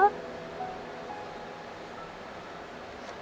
จ๊ะ